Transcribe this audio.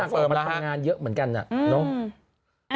ระดับของมันต้องงานเยอะเหมือนกันน่ะเนอะ